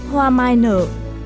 hoa mai nở